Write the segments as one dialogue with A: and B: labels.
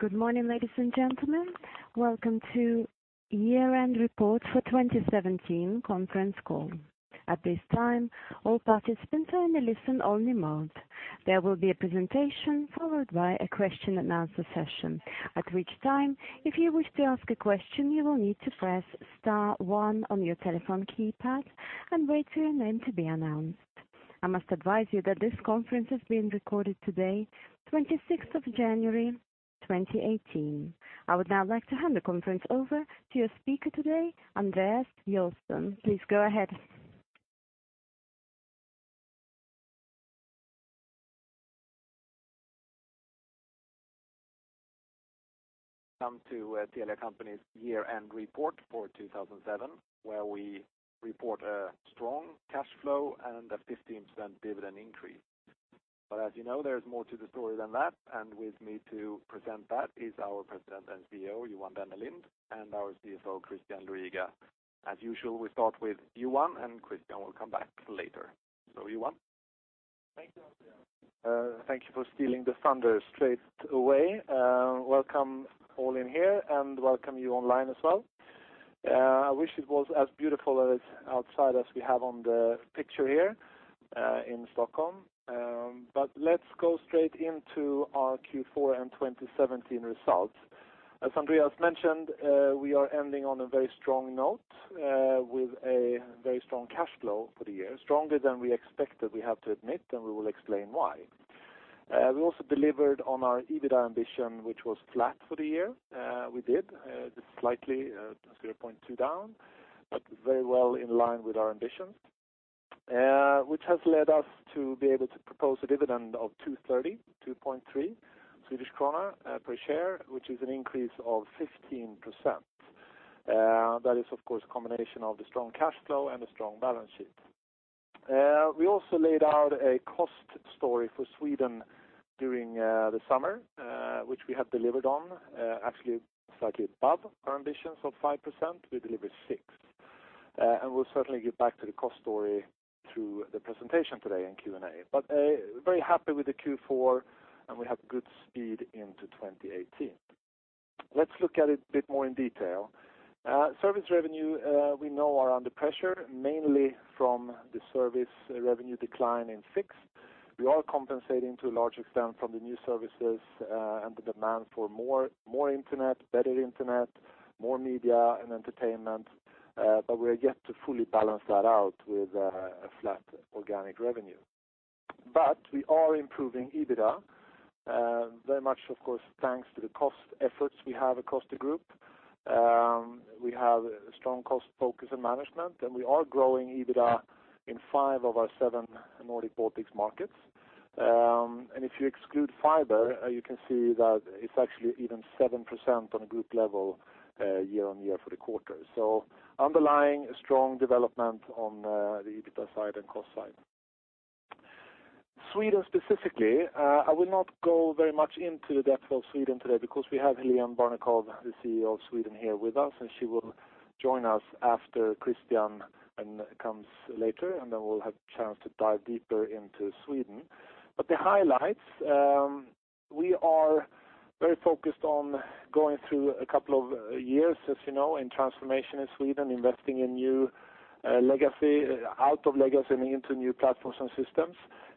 A: Good morning, ladies and gentlemen. Welcome to year-end report for 2017 conference call. At this time, all participants are in a listen-only mode. There will be a presentation followed by a question and answer session, at which time, if you wish to ask a question, you will need to press star 1 on your telephone keypad and wait for your name to be announced. I must advise you that this conference is being recorded today, 26th of January, 2018. I would now like to hand the conference over to your speaker today, Andreas Joelsson. Please go ahead.
B: Come to Telia Company's year-end report for 2017, where we report a strong cash flow and a 15% dividend increase. As you know, there's more to the story than that, with me to present that is our President and CEO, Johan Dennelind, and our CFO, Christian Luiga. As usual, we start with Johan. Christian will come back later. Johan.
C: Thank you, Andreas. Thank you for stealing the thunder straight away. Welcome all in here and welcome you online as well. I wish it was as beautiful outside as we have on the picture here in Stockholm. Let's go straight into our Q4 and 2017 results. As Andreas mentioned, we are ending on a very strong note with a very strong cash flow for the year, stronger than we expected, we have to admit, and we will explain why. We also delivered on our EBITDA ambition, which was flat for the year. We did, just slightly, 0.2 down, very well in line with our ambitions, which has led us to be able to propose a dividend of 2.3 Swedish krona per share, which is an increase of 15%. That is, of course, a combination of the strong cash flow and a strong balance sheet. We also laid out a cost story for Sweden during the summer, which we have delivered on, actually slightly above our ambitions of 5%. We delivered 6%. We'll certainly get back to the cost story through the presentation today in Q&A. Very happy with the Q4, and we have good speed into 2018. Let's look at it a bit more in detail. Service revenue, we know are under pressure, mainly from the service revenue decline in fixed. We are compensating to a large extent from the new services and the demand for more internet, better internet, more media and entertainment. We're yet to fully balance that out with a flat organic revenue. We are improving EBITDA, very much, of course, thanks to the cost efforts we have across the group. We have a strong cost focus on management. We are growing EBITDA in five of our seven Nordic-Baltic markets. If you exclude fiber, you can see that it's actually even 7% on a group level year-on-year for the quarter. Underlying a strong development on the EBITDA side and cost side. Sweden specifically, I will not go very much into the depth of Sweden today because we have Hélène Barnekow, the CEO of Sweden, here with us. She will join us after Christian comes later. We'll have a chance to dive deeper into Sweden. The highlights, we are very focused on going through a couple of years, as you know, in transformation in Sweden, investing out of legacy and into new platforms and systems.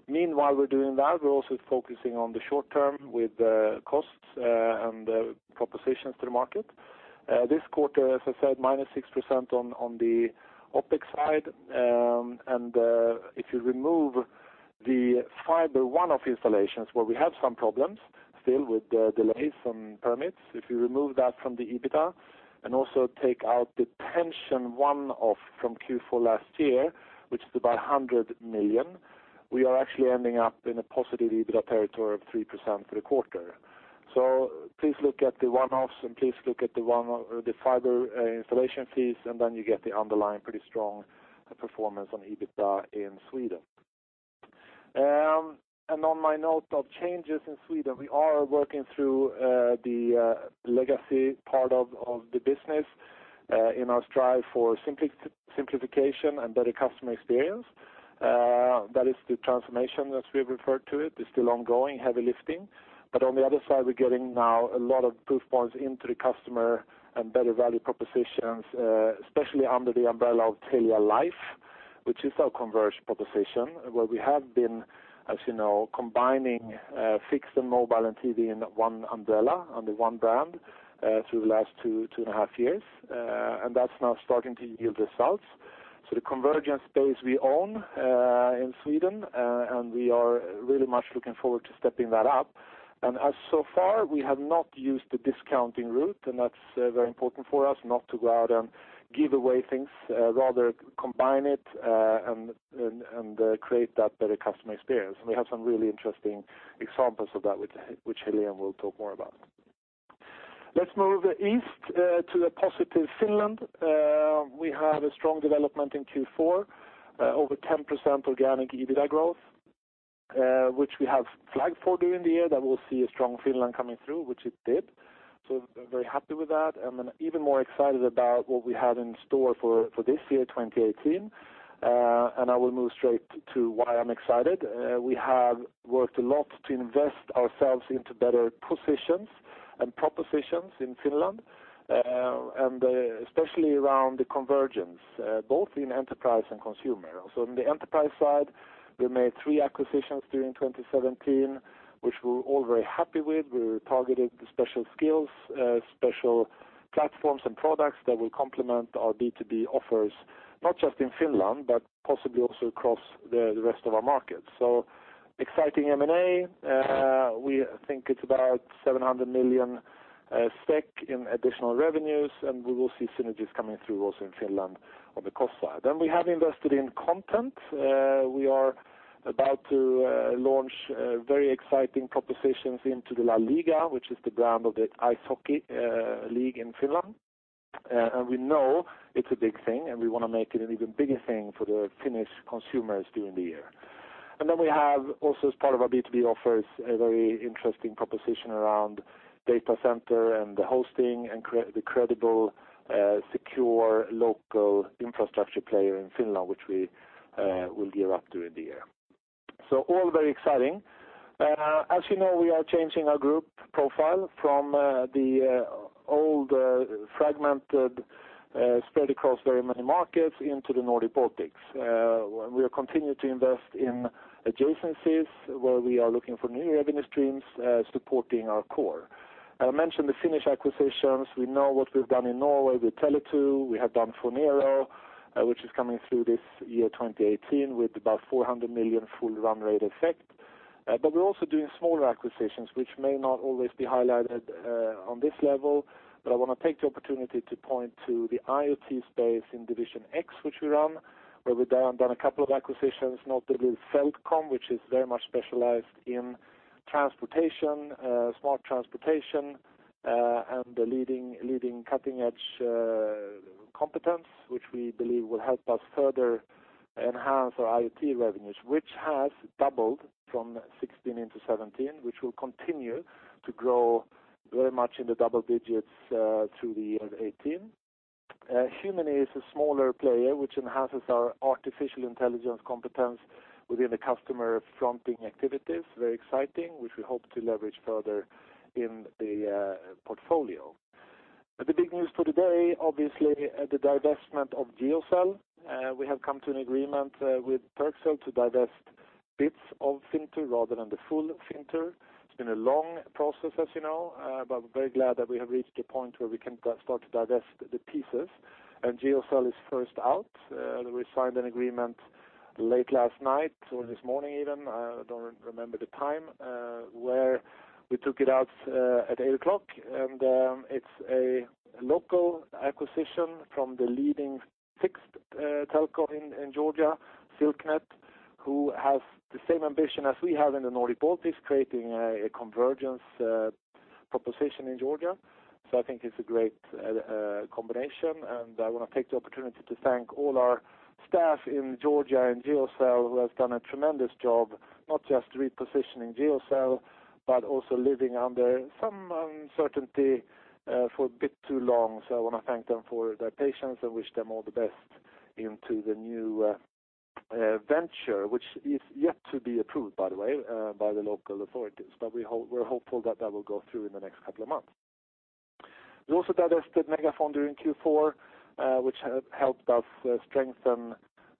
C: Meanwhile, we're doing that, we're also focusing on the short term with costs and propositions to the market. This quarter, as I said, minus 6% on the OpEx side. If you remove the fiber one-off installations where we have some problems still with delays on permits, if you remove that from the EBITDA and also take out the pension one-off from Q4 last year, which is about 100 million, we are actually ending up in a positive EBITDA territory of 3% for the quarter. Please look at the one-offs and please look at the fiber installation fees. Then you get the underlying pretty strong performance on EBITDA in Sweden. On my note of changes in Sweden, we are working through the legacy part of the business in our strive for simplification and better customer experience. That is the transformation, as we refer to it, is still ongoing, heavy lifting. On the other side, we're getting now a lot of proof points into the customer and better value propositions, especially under the umbrella of Telia Life, which is our convergence proposition, where we have been, as you know, combining fixed and mobile and TV in one umbrella under one brand through the last two and a half years. That's now starting to yield results. The convergence space we own in Sweden. We are really much looking forward to stepping that up. As so far, we have not used the discounting route. That's very important for us not to go out and give away things, rather combine it and create that better customer experience. We have some really interesting examples of that, which Hélène will talk more about. Let's move east to the positive Finland. We have a strong development in Q4, over 10% organic EBITDA growth, which we have flagged for during the year that we'll see a strong Finland coming through, which it did. I'm very happy with that. Then even more excited about what we have in store for this year, 2018. I will move straight to why I'm excited. We have worked a lot to invest ourselves into better positions and propositions in Finland, especially around the convergence, both in enterprise and consumer. In the enterprise side, we made three acquisitions during 2017, which we're all very happy with. We targeted the special skills, special platforms, and products that will complement our B2B offers, not just in Finland, but possibly also across the rest of our markets. Exciting M&A. We think it's about 700 million SEK in additional revenues. We will see synergies coming through also in Finland on the cost side. We have invested in content. We are about to launch very exciting propositions into the Liiga, which is the top of the ice hockey league in Finland. We know it's a big thing, and we want to make it an even bigger thing for the Finnish consumers during the year. We have also, as part of our B2B offers, a very interesting proposition around data center and the hosting and the credible, secure local infrastructure player in Finland, which we will gear up during the year. All very exciting. As you know, we are changing our group profile from the old, fragmented, spread across very many markets into the Nordic Baltics. We are continuing to invest in adjacencies, where we are looking for new revenue streams supporting our core. I mentioned the Finnish acquisitions. We know what we've done in Norway with Tele2. We have done Phonero, which is coming through this year, 2018, with about 400 million full run rate effect. We're also doing smaller acquisitions, which may not always be highlighted on this level, but I want to take the opportunity to point to the IoT space in Division X, which we run, where we've done a couple of acquisitions, notably Fältcom, which is very much specialized in transportation, smart transportation, and the leading cutting-edge competence, which we believe will help us further enhance our IoT revenues. Which has doubled from 2016 into 2017, which will continue to grow very much in the double digits through the year 2018. Humany is a smaller player, which enhances our artificial intelligence competence within the customer-fronting activities. Very exciting, which we hope to leverage further in the portfolio. The big news for today, obviously, the divestment of Geocell. We have come to an agreement with Turkcell to divest bits of Fintur rather than the full Fintur. It's been a long process, as you know, but we're very glad that we have reached a point where we can start to divest the pieces, and Geocell is first out. We signed an agreement late last night or this morning even, I don't remember the time, where we took it out at 8:00 A.M. It's a local acquisition from the leading fixed telco in Georgia, Silknet, who has the same ambition as we have in the Nordic Baltics, creating a convergence proposition in Georgia. I think it's a great combination, and I want to take the opportunity to thank all our staff in Georgia and Geocell who has done a tremendous job, not just repositioning Geocell, but also living under some uncertainty for a bit too long. I want to thank them for their patience and wish them all the best into the new venture, which is yet to be approved, by the way, by the local authorities. We're hopeful that that will go through in the next couple of months. We also divested MegaFon during Q4, which helped us strengthen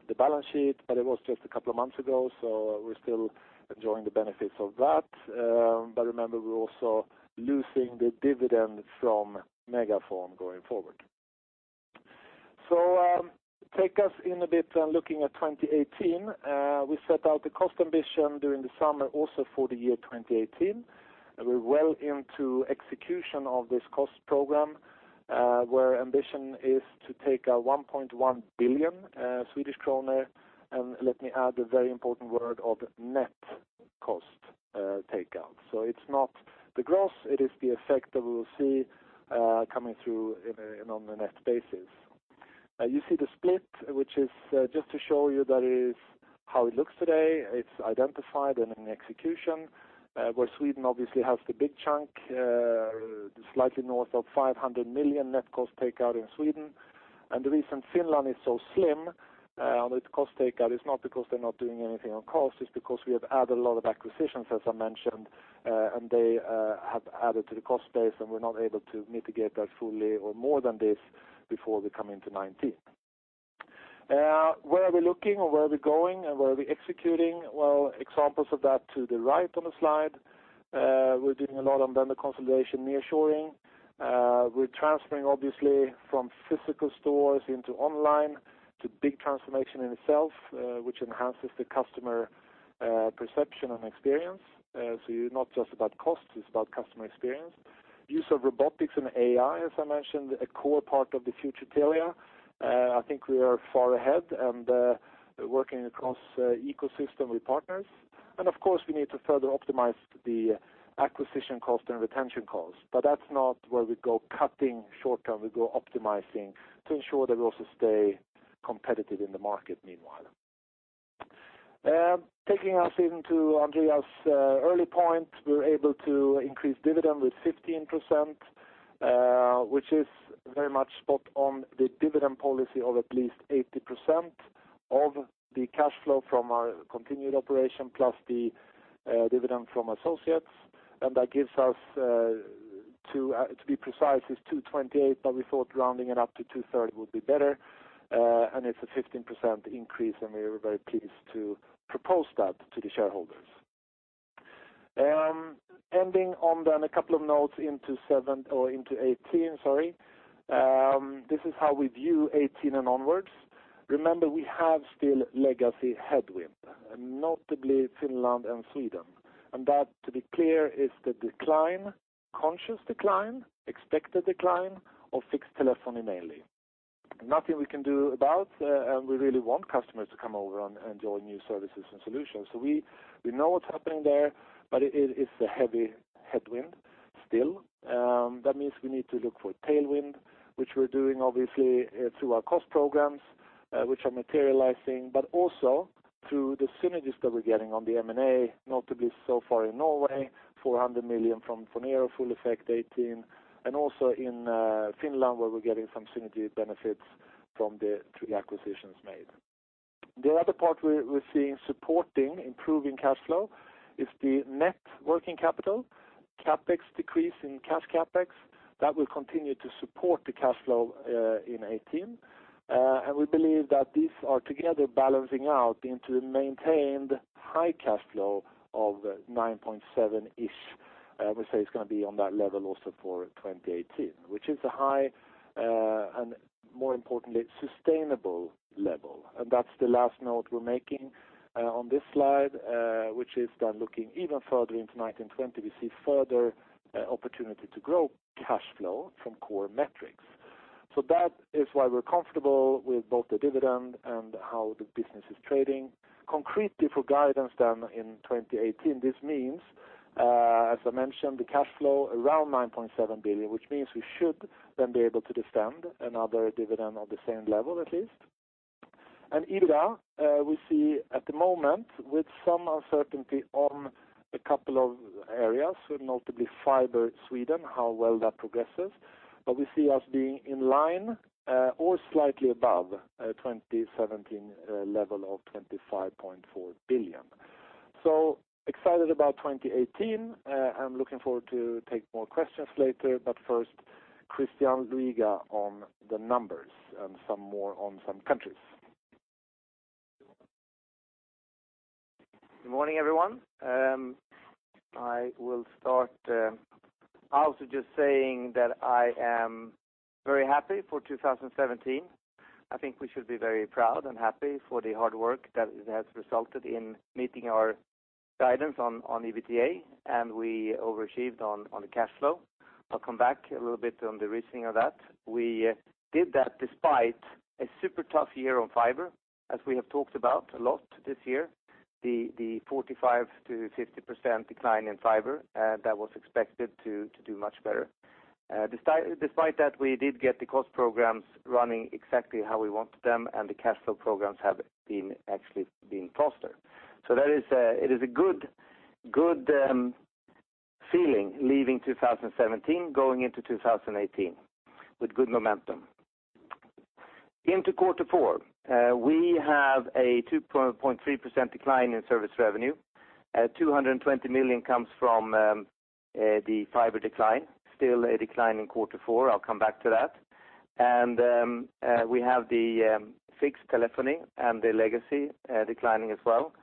C: the balance sheet. It was just a couple of months ago, so we're still enjoying the benefits of that. Remember, we're also losing the dividend from MegaFon going forward. Take us in a bit looking at 2018. We set out the cost ambition during the summer also for the year 2018. We're well into execution of this cost program, where our ambition is to take out 1.1 billion Swedish kronor. Let me add the very important word of net cost takeout. It's not the gross, it is the effect that we will see coming through on the net basis. You see the split, which is just to show you that is how it looks today. It's identified and in execution, where Sweden obviously has the big chunk, slightly north of 500 million net cost takeout in Sweden. The reason Finland is so slim with cost takeout is not because they're not doing anything on cost, it's because we have added a lot of acquisitions, as I mentioned, and they have added to the cost base, and we're not able to mitigate that fully or more than this before we come into 2019. Where are we looking or where are we going and where are we executing? Examples of that to the right on the slide. We're doing a lot on vendor consolidation nearshoring. We're transferring obviously from physical stores into online. It's a big transformation in itself, which enhances the customer perception and experience. It's not just about cost, it's about customer experience. Use of robotics and AI, as I mentioned, a core part of the future Telia. I think we are far ahead and working across ecosystem with partners. Of course, we need to further optimize the acquisition cost and retention cost. That's not where we go cutting short-term. We go optimizing to ensure that we also stay competitive in the market meanwhile. Taking us into Andreas' early point, we were able to increase dividend with 15%, which is very much spot on the dividend policy of at least 80% of the cash flow from our continued operation plus the dividend from associates. That gives us, to be precise, is 228, but we thought rounding it up to 230 would be better, and it's a 15% increase, and we were very pleased to propose that to the shareholders. A couple of notes into 2018. This is how we view 2018 and onwards. Remember, we have still legacy headwind, notably Finland and Sweden, that, to be clear, is the decline, conscious decline, expected decline of fixed telephony mainly. Nothing we can do about, we really want customers to come over and join new services and solutions. We know what's happening there, but it's a heavy headwind still. That means we need to look for tailwind, which we're doing obviously through our cost programs, which are materializing, but also through the synergies that we're getting on the M&A, notably so far in Norway, 400 million from Phonero, full effect 2018. Also in Finland, where we're getting some synergy benefits from the three acquisitions made. The other part we're seeing supporting improving cash flow is the net working capital, CapEx decrease in cash CapEx. That will continue to support the cash flow in 2018. We believe that these are together balancing out into the maintained high cash flow of 9.7-ish. I would say it's going to be on that level also for 2018, which is a high, and more importantly, sustainable level. That's the last note we are making on this slide, which is then looking even further into 2019, 2020, we see further opportunity to grow cash flow from core metrics. That is why we are comfortable with both the dividend and how the business is trading. Concretely for guidance then in 2018, this means, as I mentioned, the cash flow around 9.7 billion, which means we should then be able to defend another dividend of the same level, at least. EBITDA, we see at the moment with some uncertainty on a couple of areas, notably fiber Sweden, how well that progresses. We see us being in line or slightly above 2017 level of 25.4 billion. Excited about 2018. I am looking forward to take more questions later, but first, Christian Luiga on the numbers and some more on some countries.
D: Good morning, everyone. I will start also just saying that I am very happy for 2017. I think we should be very proud and happy for the hard work that has resulted in meeting our guidance on EBITDA, and we overachieved on the cash flow. I'll come back a little bit on the reasoning of that. We did that despite a super tough year on fiber, as we have talked about a lot this year, the 45%-50% decline in fiber, that was expected to do much better. Despite that, we did get the cost programs running exactly how we wanted them, and the cash flow programs have actually been faster. It is a good feeling leaving 2017, going into 2018 with good momentum. Into Q4, we have a 2.3% decline in service revenue. 220 million comes from the fiber decline, still a decline in Q4, I'll come back to that. We have the fixed telephony and the legacy declining as well.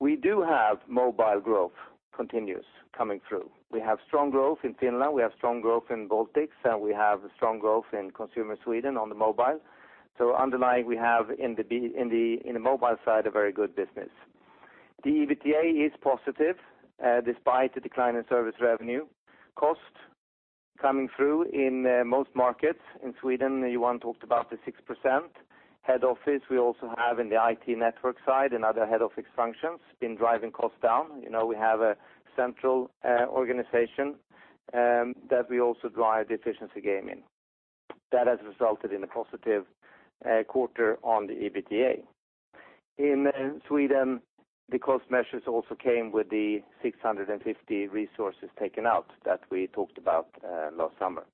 D: We do have mobile growth continuous coming through. We have strong growth in Finland, we have strong growth in Baltics, and we have strong growth in consumer Sweden on the mobile. Underlying, we have in the mobile side, a very good business. The EBITDA is positive despite the decline in service revenue. Cost coming through in most markets. In Sweden, Johan talked about the 6%. Head office, we also have in the IT network side and other head office functions been driving costs down. We have a central organization that we also drive the efficiency gain in. That has resulted in a positive quarter on the EBITDA. In Sweden, the cost measures also came with the 650 resources taken out that we talked about last summer.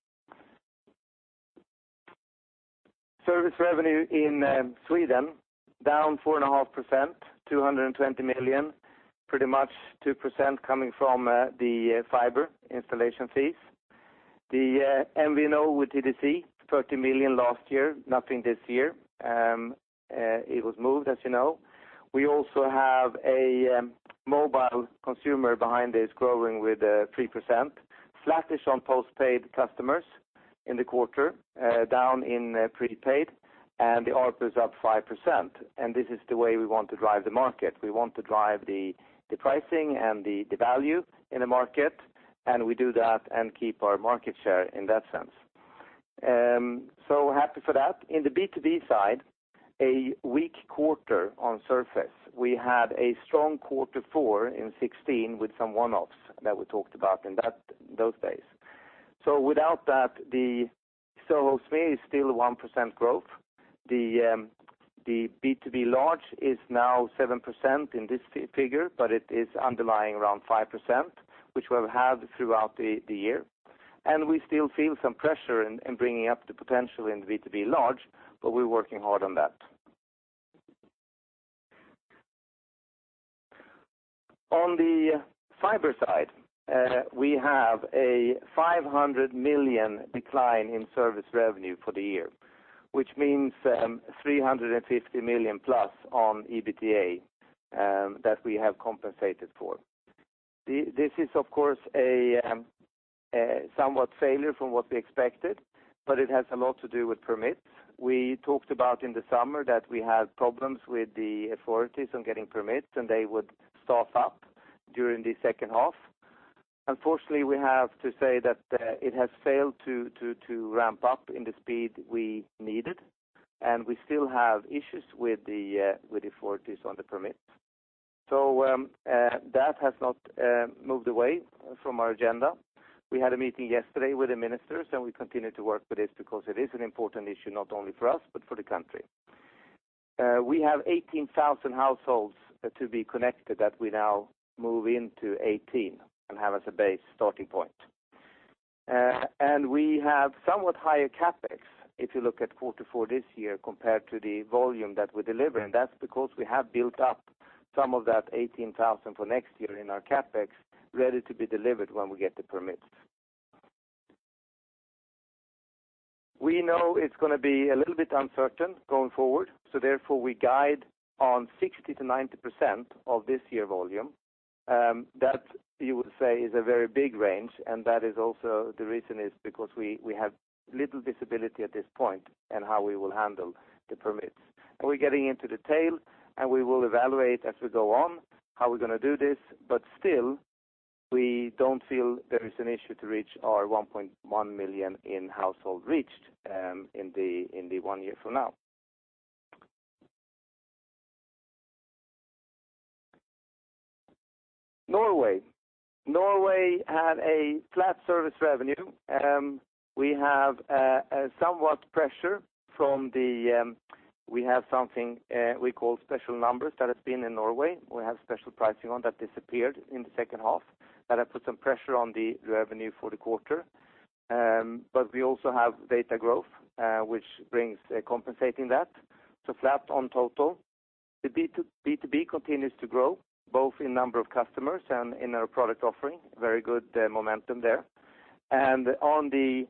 D: Service revenue in Sweden, down 4.5%, 220 million, pretty much 2% coming from the fiber installation fees. The MVNO with TDC, 30 million last year, nothing this year. It was moved, as you know. We also have a mobile consumer behind this growing with 3%. Flattish on postpaid customers in the quarter, down in prepaid, and the ARPU is up 5%. This is the way we want to drive the market. We want to drive the pricing and the value in the market, and we do that and keep our market share in that sense. Happy for that. In the B2B side, a weak quarter on service. We had a strong Q4 in 2016 with some one-offs that we talked about in those days. Without that, the service revenue is still 1% growth. The B2B large is now 7% in this figure, but it is underlying around 5%, which we will have throughout the year. We still feel some pressure in bringing up the potential in B2B large, but we are working hard on that. On the fiber side, we have a 500 million decline in service revenue for the year, which means 350 million plus on EBITDA that we have compensated for. This is, of course, somewhat failure from what we expected, but it has a lot to do with permits. We talked about in the summer that we had problems with the authorities on getting permits, and they would start up during the second half. Unfortunately, we have to say that it has failed to ramp up in the speed we needed, and we still have issues with the authorities on the permits. That has not moved away from our agenda. We had a meeting yesterday with the ministers, and we continue to work with this because it is an important issue, not only for us but for the country. We have 18,000 households to be connected that we now move into 2018 and have as a base starting point. We have somewhat higher CapEx if you look at Q4 this year compared to the volume that we are delivering. That is because we have built up some of that 18,000 for next year in our CapEx, ready to be delivered when we get the permits. We know it is going to be a little bit uncertain going forward, therefore, we guide on 60%-90% of this year's volume. That you would say is a very big range, and that is also the reason is because we have little visibility at this point in how we will handle the permits. We are getting into the tail, and we will evaluate as we go on how we are going to do this. Still, we do not feel there is an issue to reach our 1.1 million in household reached in one year from now. Norway. Norway had a flat service revenue. We have somewhat pressure from the something we call special numbers that have been in Norway. We have special pricing on that disappeared in the second half. That have put some pressure on the revenue for the quarter. We also have data growth, which brings compensating that. Flat on total. The B2B continues to grow, both in number of customers and in our product offering. Very good momentum there. On the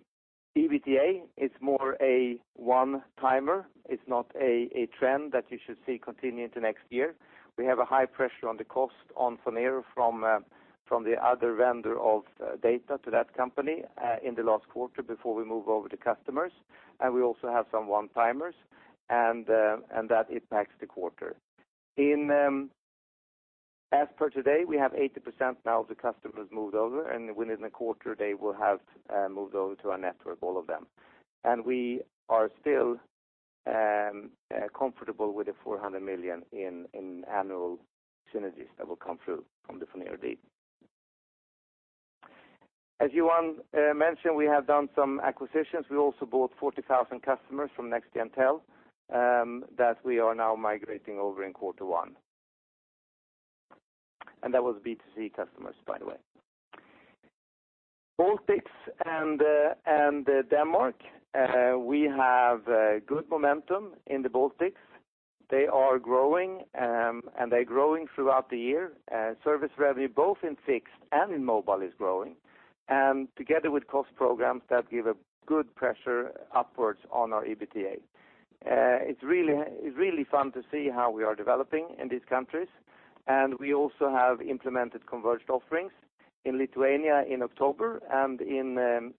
D: EBITDA, it is more a one-timer. It is not a trend that you should see continue into next year. We have a high pressure on the cost on Phonero from the other vendor of data to that company in the last quarter before we move over to customers. We also have some one-timers, and that impacts the quarter. As per today, we have 80% now of the customers moved over, and within a quarter, they will have moved over to our network, all of them. We are still comfortable with the 400 million in annual synergies that will come through from the Phonero deal. As Johan mentioned, we have done some acquisitions. We also bought 40,000 customers from NextGenTel that we are now migrating over in quarter one. That was B2C customers, by the way. Baltics and Denmark. We have good momentum in the Baltics. They are growing, and they are growing throughout the year. Service revenue, both in fixed and in mobile, is growing. Together with cost programs, that give a good pressure upwards on our EBITDA. It is really fun to see how we are developing in these countries. We also have implemented converged offerings in Lithuania in October and in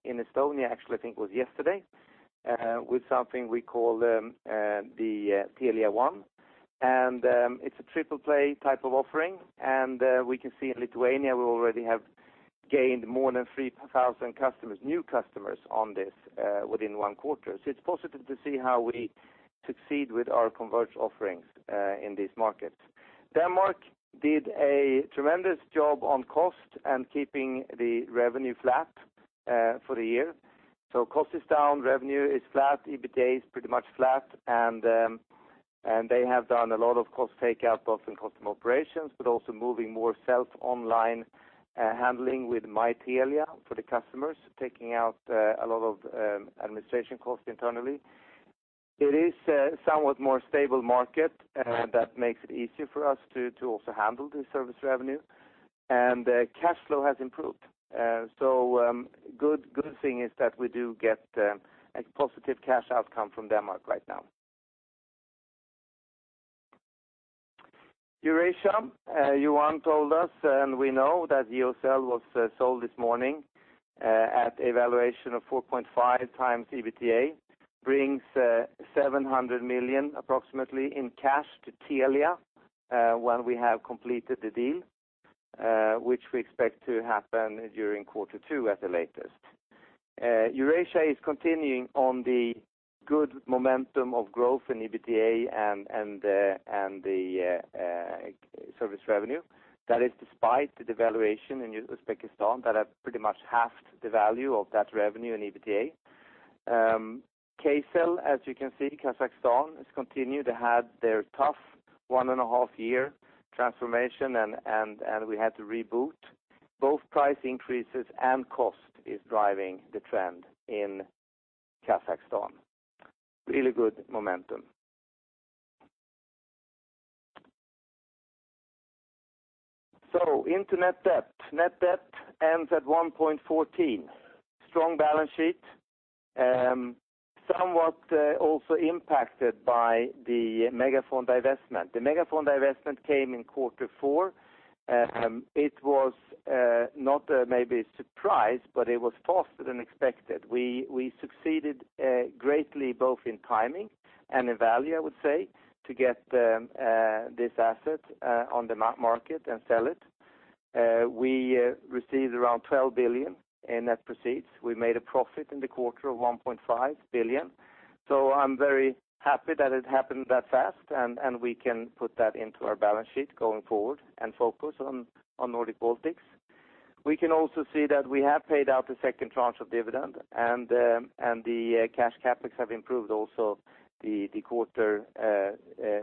D: Estonia, actually, I think it was yesterday, with something we call the Telia One. It is a triple-play type of offering. We can see in Lithuania, we already have gained more than 3,000 new customers on this within one quarter. It is positive to see how we succeed with our converged offerings in these markets. Denmark did a tremendous job on cost and keeping the revenue flat for the year. Cost is down, revenue is flat, EBITDA is pretty much flat, and they have done a lot of cost takeout, both in customer operations, but also moving more self online handling with My Telia for the customers, taking out a lot of administration costs internally. It is a somewhat more stable market, and that makes it easier for us to also handle the service revenue. Cash flow has improved. Good thing is that we do get a positive cash outcome from Denmark right now. Eurasia, Johan told us, we know that Geocell was sold this morning at a valuation of 4.5x EBITDA, brings 700 million approximately in cash to Telia when we have completed the deal, which we expect to happen during quarter two at the latest. Eurasia is continuing on the good momentum of growth in EBITDA and the service revenue. That is despite the devaluation in Uzbekistan that has pretty much halved the value of that revenue and EBITDA. Kcell, as you can see, Kazakhstan, has continued to have their tough one and a half year transformation, and we had to reboot. Both price increases and cost is driving the trend in Kazakhstan. Really good momentum. Into net debt. Net debt ends at 1.14. Strong balance sheet, somewhat also impacted by the MegaFon divestment. The MegaFon divestment came in quarter four. It was not maybe a surprise, but it was faster than expected. We succeeded greatly, both in timing and in value, I would say, to get this asset on the market and sell it. We received around 12 billion in net proceeds. We made a profit in the quarter of 1.5 billion. I am very happy that it happened that fast, and we can put that into our balance sheet going forward and focus on Nordic Baltics. We can also see that we have paid out the second tranche of dividend and the cash CapEx have improved also the quarter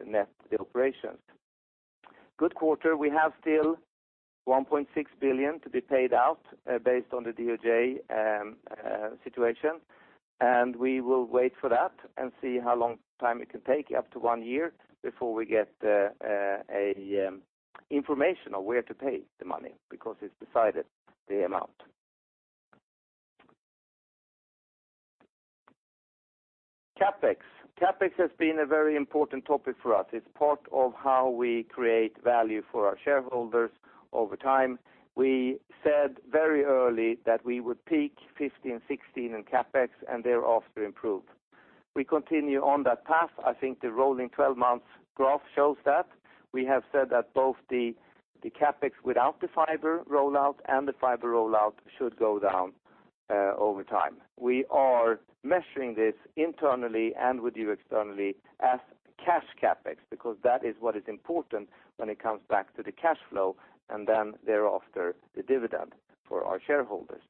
D: net operations. Good quarter. We have still 1.6 billion to be paid out based on the DOJ situation, and we will wait for that and see how long time it can take, up to one year, before we get information on where to pay the money, because it is decided the amount. CapEx. CapEx has been a very important topic for us. It is part of how we create value for our shareholders over time. We said very early that we would peak 2015, 2016 in CapEx and thereafter improve. We continue on that path. I think the rolling 12 months graph shows that. We have said that both the CapEx without the fiber rollout and the fiber rollout should go down over time. We are measuring this internally and with you externally as cash CapEx, because that is what is important when it comes back to the cash flow, and thereafter, the dividend for our shareholders.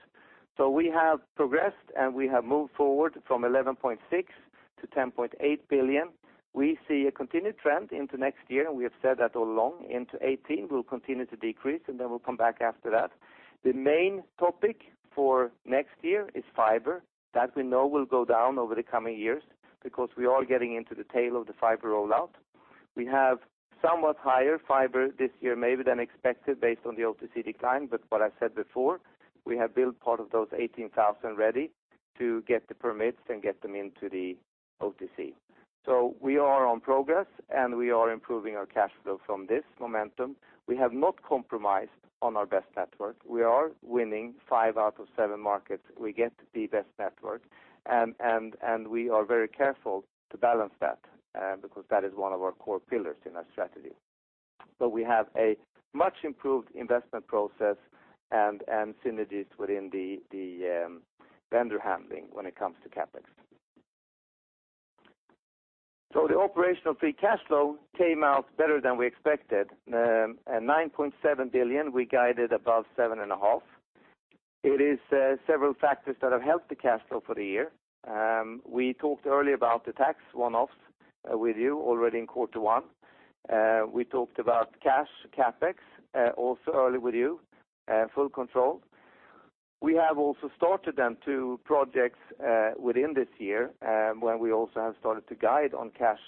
D: We have progressed, and we have moved forward from 11.6 billion to 10.8 billion. We see a continued trend into next year, and we have said that all along. Into 2018, we will continue to decrease, and we will come back after that. The main topic for next year is fiber. That we know will go down over the coming years because we are getting into the tail of the fiber rollout. We have somewhat higher fiber this year, maybe than expected based on the OTC decline, but what I said before, we have built part of those 18,000 ready to get the permits and get them into the OTC. We are on progress, and we are improving our cash flow from this momentum. We have not compromised on our best network. We are winning five out of seven markets. We get the best network, and we are very careful to balance that, because that is one of our core pillars in our strategy. We have a much-improved investment process and synergies within the vendor handling when it comes to CapEx. The operational free cash flow came out better than we expected, at 9.7 billion. We guided above 7.5 billion. It is several factors that have helped the cash flow for the year. We talked earlier about the tax one-offs with you already in quarter one. We talked about cash CapEx also earlier with you, full control. We have also started two projects within this year, when we also have started to guide on cash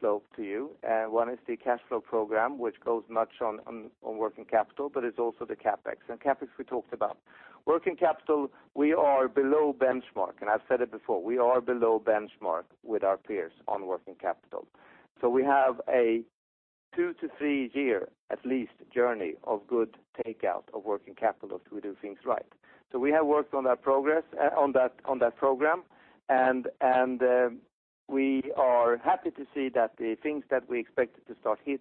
D: flow to you. One is the cash flow program, which goes much on working capital, but it is also the CapEx, and CapEx we talked about. Working capital, we are below benchmark, and I have said it before. We are below benchmark with our peers on working capital. We have a two to three year at least journey of good takeout of working capital if we do things right. We have worked on that program, and we are happy to see that the things that we expected to start hit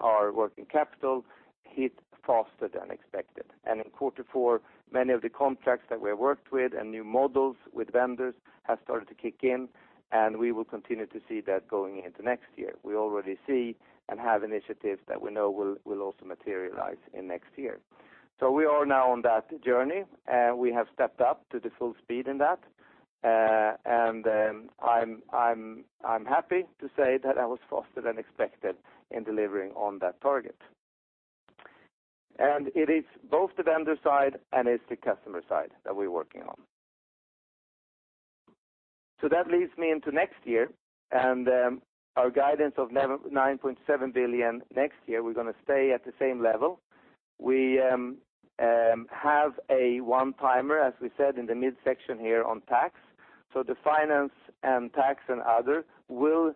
D: our working capital hit faster than expected. In quarter four, many of the contracts that we worked with and new models with vendors have started to kick in. We will continue to see that going into next year. We already see and have initiatives that we know will also materialize in next year. We are now on that journey, and we have stepped up to the full speed in that. I'm happy to say that that was faster than expected in delivering on that target. It is both the vendor side and it's the customer side that we're working on. That leads me into next year and our guidance of 9.7 billion next year. We're going to stay at the same level. We have a one-timer, as we said, in the midsection here on tax. The finance and tax and other will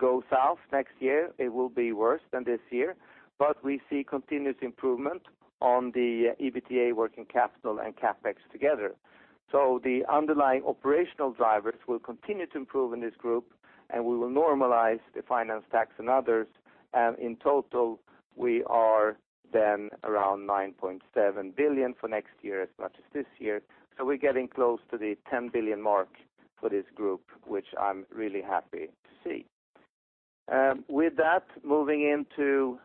D: go south next year. It will be worse than this year, but we see continuous improvement on the EBITDA working capital and CapEx together. The underlying operational drivers will continue to improve in this group. We will normalize the finance tax and others. In total, we are then around 9.7 billion for next year as much as this year. We're getting close to the 10 billion mark for this group, which I'm really happy to see. With that, moving into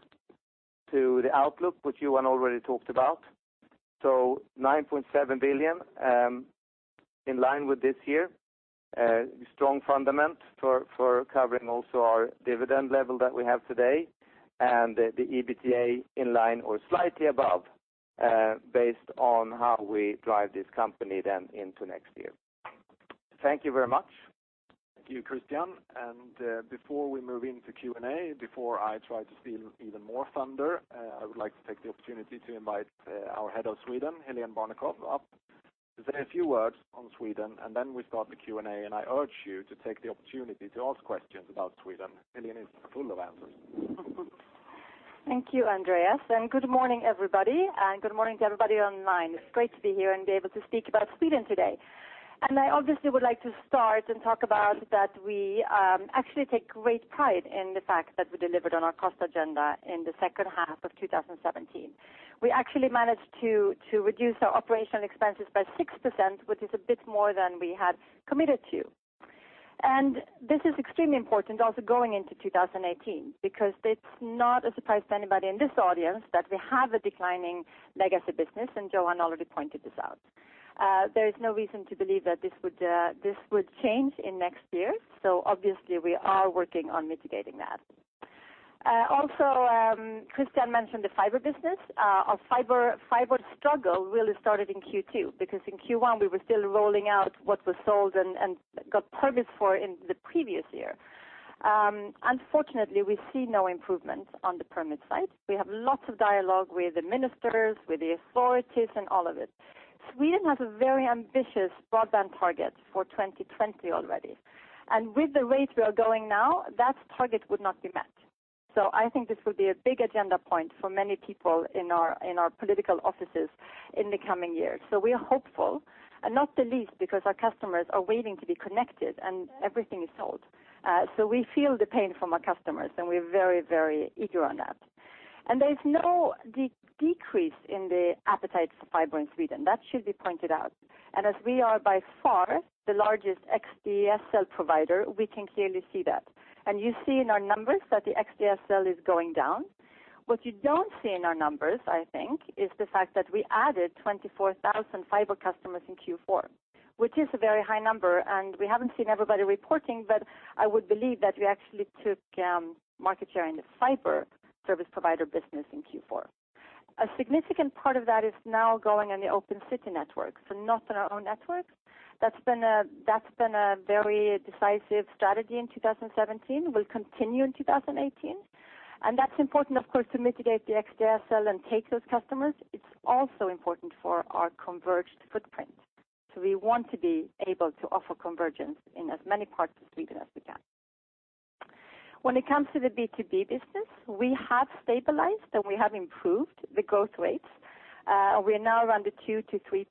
D: the outlook, which Johan already talked about. 9.7 billion, in line with this year. Strong fundament for covering also our dividend level that we have today, and the EBITDA in line or slightly above, based on how we drive this company then into next year. Thank you very much.
B: Thank you, Christian. Before we move into Q&A, before I try to steal even more thunder, I would like to take the opportunity to invite our head of Sweden, Hélène Barnekow, up to say a few words on Sweden. Then we start the Q&A, and I urge you to take the opportunity to ask questions about Sweden. Hélène is full of answers.
E: Thank you, Andreas. Good morning, everybody. Good morning to everybody online. It's great to be here and be able to speak about Sweden today. I obviously would like to start and talk about that we actually take great pride in the fact that we delivered on our cost agenda in the second half of 2017. We actually managed to reduce our operational expenses by 6%, which is a bit more than we had committed to. This is extremely important also going into 2018, because it's not a surprise to anybody in this audience that we have a declining legacy business, and Johan already pointed this out. There is no reason to believe that this would change in next year. Obviously, we are working on mitigating that. Christian mentioned the fiber business. Our fiber struggle really started in Q2, because in Q1 we were still rolling out what was sold and got permits for in the previous year. Unfortunately, we see no improvements on the permit side. We have lots of dialogue with the ministers, with the authorities, and all of it. Sweden has a very ambitious broadband target for 2020 already. With the rate we are going now, that target would not be met. I think this will be a big agenda point for many people in our political offices in the coming years. We are hopeful, not the least because our customers are waiting to be connected and everything is sold. We feel the pain from our customers, and we're very eager on that. There is no decrease in the appetite for fiber in Sweden. That should be pointed out. As we are by far the largest XDSL provider, we can clearly see that. You see in our numbers that the XDSL is going down. What you don't see in our numbers, I think, is the fact that we added 24,000 fiber customers in Q4, which is a very high number, and we haven't seen everybody reporting, but I would believe that we actually took market share in the fiber service provider business in Q4. A significant part of that is now going on the Open City network, so not on our own network. That's been a very decisive strategy in 2017, will continue in 2018. That's important, of course, to mitigate the XDSL and take those customers. It's also important for our converged footprint. We want to be able to offer convergence in as many parts of Sweden as we can. When it comes to the B2B business, we have stabilized, and we have improved the growth rates. We are now around the 2%-3%.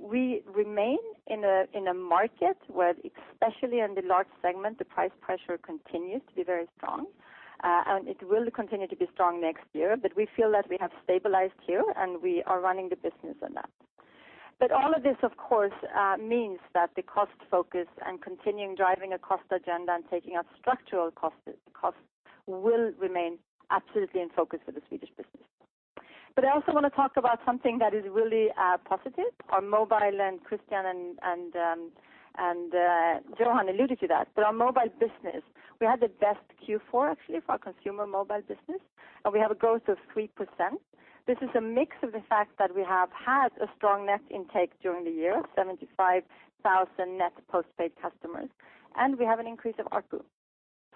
E: We remain in a market where, especially in the large segment, the price pressure continues to be very strong. It will continue to be strong next year, but we feel that we have stabilized here, and we are running the business on that. All of this, of course, means that the cost focus and continuing driving a cost agenda and taking out structural costs will remain absolutely in focus for the Swedish business. I also want to talk about something that is really positive. Our mobile, Christian and Johan alluded to that, our mobile business, we had the best Q4, actually, for our consumer mobile business, we have a growth of 3%. This is a mix of the fact that we have had a strong net intake during the year, 75,000 net postpaid customers, and we have an increase of ARPU.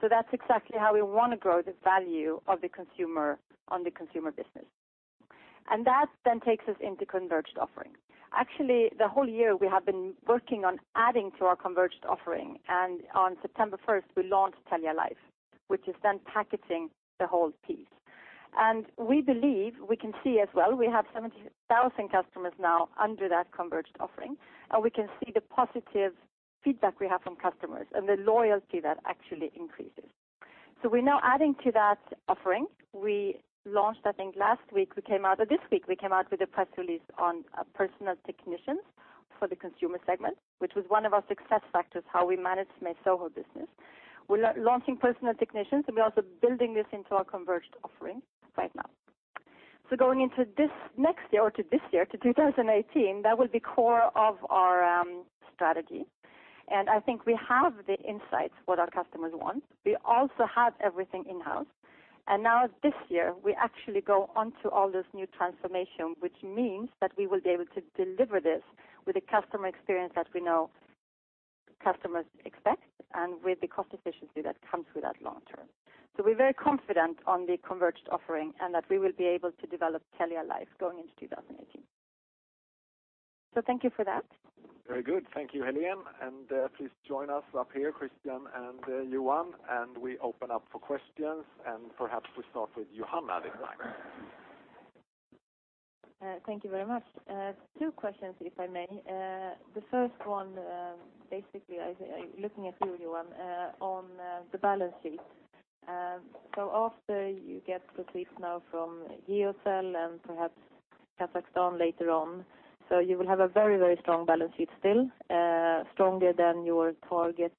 E: That's exactly how we want to grow the value on the consumer business. That then takes us into converged offerings. Actually, the whole year we have been working on adding to our converged offering, on September 1st, we launched Telia Life, which is then packaging the whole piece. We believe we can see as well, we have 70,000 customers now under that converged offering, we can see the positive feedback we have from customers and the loyalty that actually increases. We're now adding to that offering. We launched, I think last week we came out, or this week we came out with a press release on personal technicians for the consumer segment, which was one of our success factors, how we managed my SoHo business. We're launching personal technicians, and we're also building this into our converged offering right now. Going into this next year or to this year, to 2018, that will be core of our strategy. I think we have the insights what our customers want. We also have everything in-house. Now this year, we actually go on to all this new transformation, which means that we will be able to deliver this with a customer experience that we know customers expect and with the cost efficiency that comes with that long term. We're very confident on the converged offering and that we will be able to develop Telia Life going into 2018. Thank you for that.
B: Very good. Thank you, Hélène. Please join us up here, Christian and Johan, and we open up for questions. Perhaps we start with Johan this time.
F: Thank you very much. Two questions, if I may. The first one, basically, looking at you, Johan, on the balance sheet. After you get proceeds now from Geocell and perhaps Kazakhstan later on, so you will have a very strong balance sheet still, stronger than your target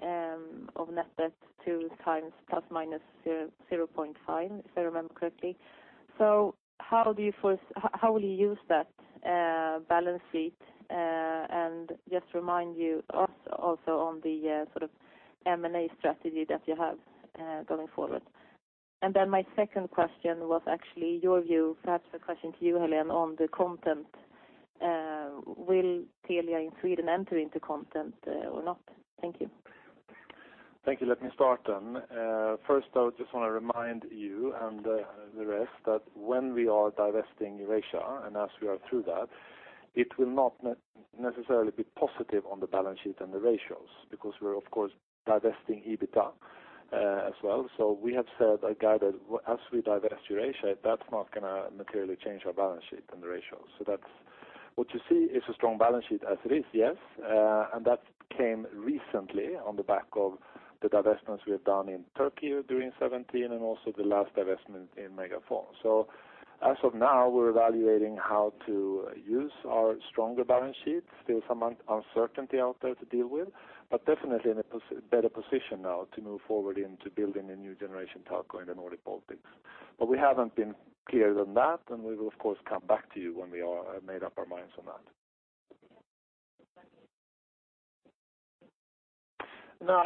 F: of net debt two times plus or minus 0.5, if I remember correctly. How will you use that balance sheet? Just remind us also on the sort of M&A strategy that you have going forward. Then my second question was actually your view, perhaps a question to you, Hélène, on the content. Will Telia in Sweden enter into content or not? Thank you.
C: Thank you. Let me start. First, I just want to remind you and the rest that when we are divesting Eurasia, and as we are through that, it will not necessarily be positive on the balance sheet and the ratios, because we are, of course, divesting EBITDA as well. We have said, a guide that as we divest Eurasia, that is not going to materially change our balance sheet and the ratios. What you see is a strong balance sheet as it is, yes. That came recently on the back of the divestments we have done in Turkey during 2017 and also the last divestment in MegaFon. As of now, we are evaluating how to use our stronger balance sheet. Still some uncertainty out there to deal with, but definitely in a better position now to move forward into building a new generation telco in the Nordic Baltics. We haven't been clearer than that, and we will, of course, come back to you when we have made up our minds on that. No,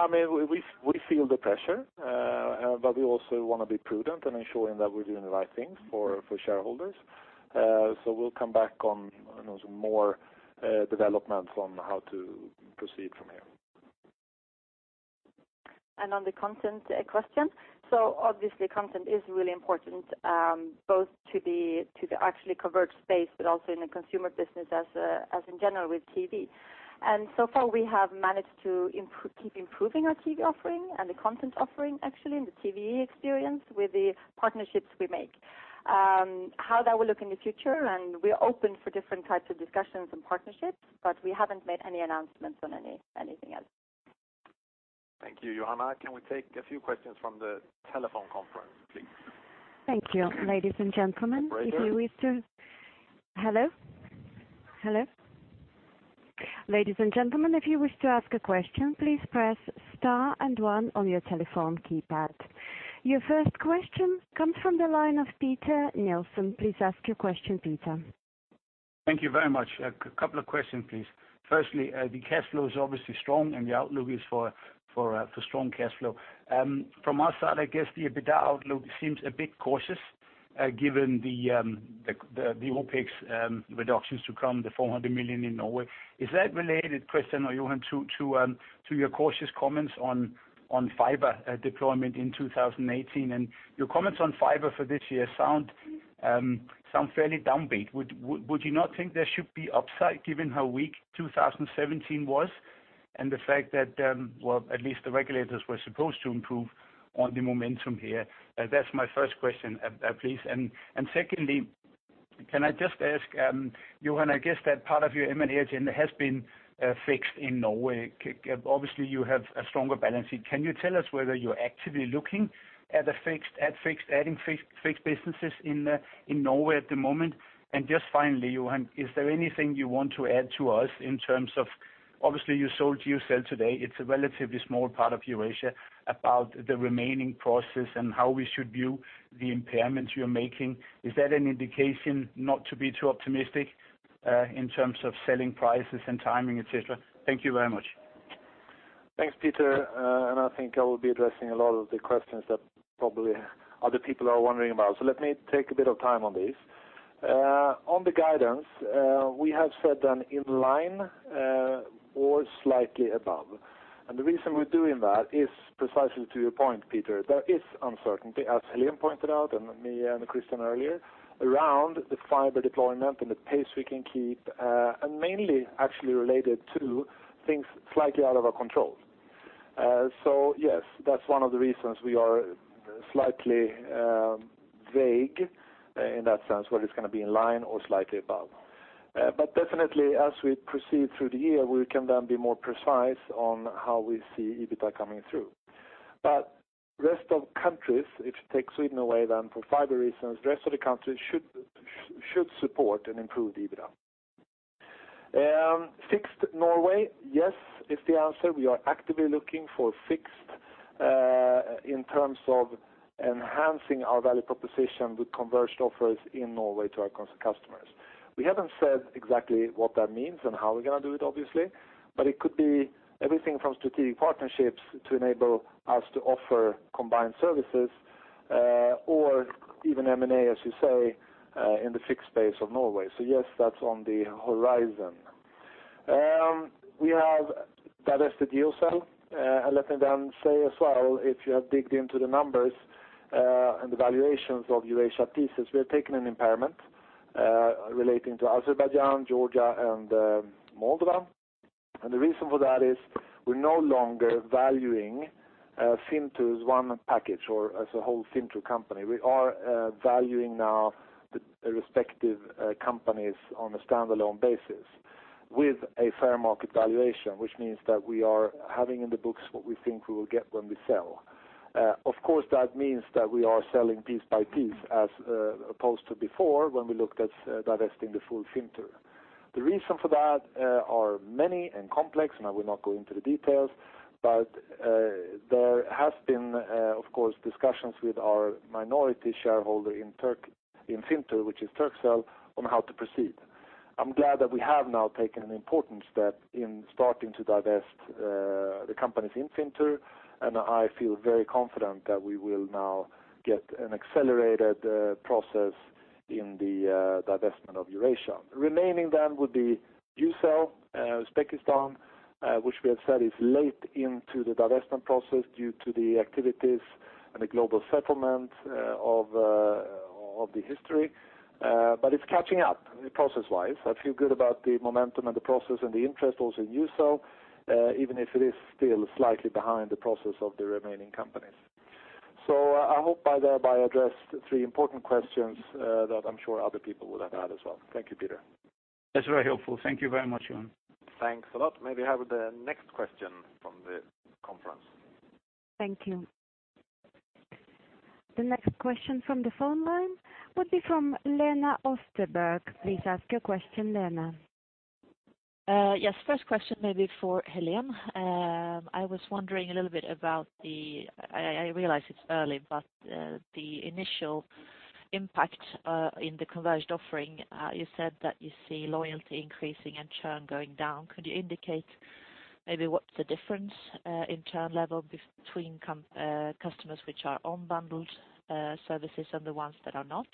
C: we feel the pressure, but we also want to be prudent and ensuring that we are doing the right thing for shareholders. We will come back on more developments on how to proceed from here.
E: On the content question. Obviously content is really important, both to the actually converged space, but also in the consumer business as in general with TV. So far, we have managed to keep improving our TV offering and the content offering, actually, and the TV experience with the partnerships we make. How that will look in the future, and we are open for different types of discussions and partnerships, but we haven't made any announcements on anything else.
C: Thank you. Johanna, can we take a few questions from the telephone conference, please?
A: Thank you. Ladies and gentlemen, if you wish to ask a question, please press star and one on your telephone keypad. Your first question comes from the line of Peter Nilsson. Please ask your question, Peter.
G: Thank you very much. A couple of questions, please. Firstly, the cash flow is obviously strong and the outlook is for strong cash flow. From our side, I guess the EBITDA outlook seems a bit cautious given the OpEx reductions to come, the 400 million in Norway. Is that related, Christian or Johan, to your cautious comments on fiber deployment in 2018, and your comments on fiber for this year sound fairly downbeat. Would you not think there should be upside given how weak 2017 was and the fact that, well, at least the regulators were supposed to improve on the momentum here? That's my first question, please. Secondly, can I just ask Johan, I guess that part of your M&A agenda has been fixed in Norway. Obviously, you have a stronger balance sheet. Can you tell us whether you're actively looking at adding fixed businesses in Norway at the moment? Just finally, Johan, is there anything you want to add to us in terms of, obviously you sold Geocell today, it's a relatively small part of Eurasia, about the remaining process and how we should view the impairments you're making. Is that an indication not to be too optimistic in terms of selling prices and timing, et cetera? Thank you very much.
C: Thanks, Peter. I think I will be addressing a lot of the questions that probably other people are wondering about. Let me take a bit of time on this. On the guidance, we have said that in line or slightly above. The reason we're doing that is precisely to your point, Peter. There is uncertainty, as Hélène pointed out, and me and Christian earlier, around the fiber deployment and the pace we can keep, and mainly actually related to things slightly out of our control. Yes, that's one of the reasons we are slightly vague in that sense, whether it's going to be in line or slightly above. Definitely, as we proceed through the year, we can then be more precise on how we see EBITDA coming through. Rest of countries, if you take Sweden away for fiber reasons, rest of the countries should support an improved EBITDA. Fixed Norway, yes, is the answer. We are actively looking for fixed in terms of enhancing our value proposition with converged offers in Norway to our customers. We haven't said exactly what that means and how we're going to do it, obviously, but it could be everything from strategic partnerships to enable us to offer combined services or even M&A, as you say, in the fixed space of Norway. Yes, that's on the horizon. We have divested Geocell. Let me then say as well, if you have digged into the numbers and the valuations of [Eurasia pieces, we have taken an impairment relating to Azerbaijan, Georgia, and Moldova. The reason for that is we're no longer valuing Fintur as one package or as a whole Fintur company. We are valuing now the respective companies on a standalone basis with a fair market valuation, which means that we are having in the books what we think we will get when we sell. Of course, that means that we are selling piece by piece as opposed to before when we looked at divesting the full Fintur. The reason for that are many and complex, and I will not go into the details, but there has been, of course, discussions with our minority shareholder in Fintur, which is Turkcell, on how to proceed. I'm glad that we have now taken an important step in starting to divest the companies in Fintur, and I feel very confident that we will now get an accelerated process in the divestment of Eurasia. Remaining would be Ucell, Uzbekistan, which we have said is late into the divestment process due to the activities and the global settlement of the history, but it's catching up process-wise. I feel good about the momentum and the process and the interest also in Ucell, even if it is still slightly behind the process of the remaining companies. I hope I thereby addressed three important questions that I'm sure other people would have had as well. Thank you, Peter.
G: That's very helpful. Thank you very much, Johan.
C: Thanks a lot. May we have the next question from the conference?
A: Thank you. The next question from the phone line would be from Lena Österberg. Please ask your question, Lena.
H: Yes, first question maybe for Hélène. I was wondering a little bit about the, I realize it's early, but the initial impact in the converged offering. You said that you see loyalty increasing and churn going down. Could you indicate maybe what's the difference in churn level between customers which are on bundled services and the ones that are not?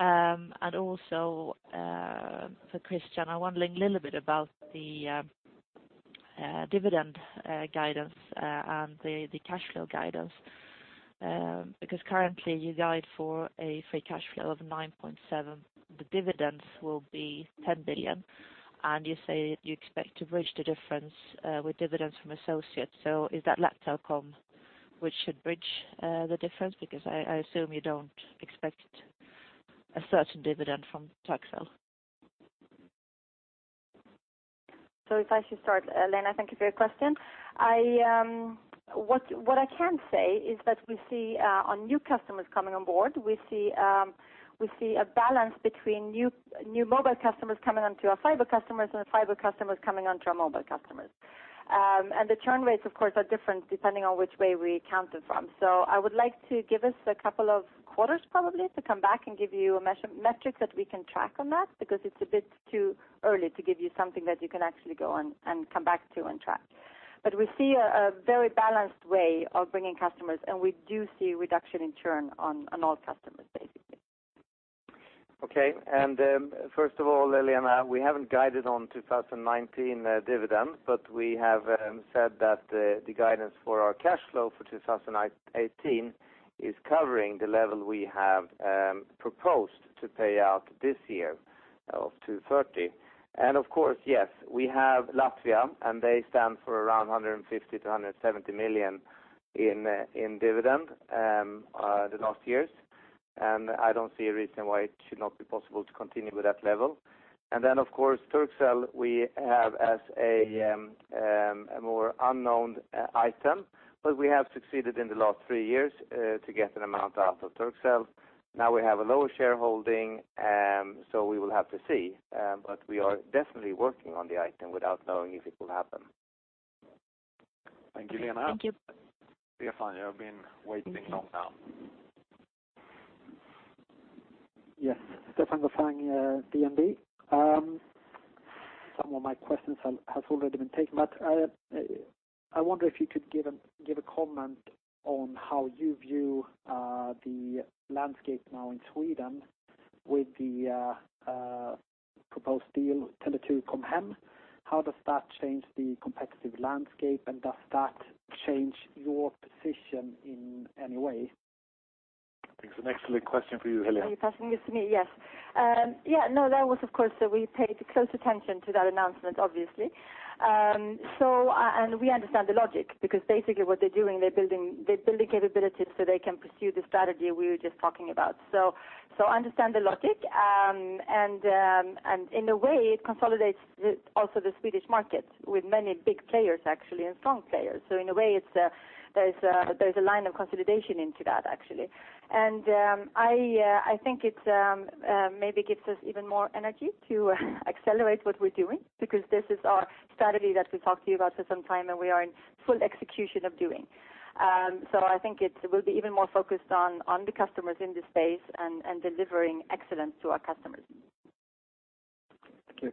H: Also for Christian, I wonder a little bit about the dividend guidance and the cash flow guidance. Currently you guide for a free cash flow of 9.7 billion. The dividends will be 10 billion, and you say you expect to bridge the difference with dividends from associates. Is that Lattelecom which should bridge the difference? I assume you don't expect a certain dividend from Turkcell.
E: If I should start, Lena, thank you for your question. What I can say is that we see our new customers coming on board. We see a balance between new mobile customers coming onto our fiber customers and our fiber customers coming onto our mobile customers. The churn rates, of course, are different depending on which way we count it from. I would like to give us a couple of quarters probably to come back and give you a metric that we can track on that, because it's a bit too early to give you something that you can actually go and come back to and track. We see a very balanced way of bringing customers, and we do see a reduction in churn on all customers, basically.
D: Okay. First of all, Lena, we haven't guided on 2019 dividends. We have said that the guidance for our cash flow for 2018 is covering the level we have proposed to pay out this year of 230. Of course, yes, we have Latvia, they stand for around 150 million to 170 million in dividend the last years. I don't see a reason why it should not be possible to continue with that level. Of course, Turkcell we have as a more unknown item. We have succeeded in the last three years to get an amount out of Turkcell. Now we have a lower shareholding, so we will have to see. We are definitely working on the item without knowing if it will happen.
B: Thank you, Lena. Stefan, you have been waiting a long time.
I: Yes. Stefan Gauffin, DNB. Some of my questions have already been taken. I wonder if you could give a comment on how you view the landscape now in Sweden with the proposed deal, Tele2 Com Hem. How does that change the competitive landscape? Does that change your position in any way?
C: That's an excellent question for you, Hélène.
E: Are you passing this to me? Yes. Of course, we paid close attention to that announcement, obviously. We understand the logic because basically what they're doing, they're building capabilities so they can pursue the strategy we were just talking about. I understand the logic, and in a way, it consolidates also the Swedish market with many big players, actually, and strong players. In a way, there's a line of consolidation into that, actually. I think it maybe gives us even more energy to accelerate what we're doing because this is our strategy that we talked to you about for some time, and we are in full execution of doing. I think it will be even more focused on the customers in this space and delivering excellence to our customers.
I: Thank you.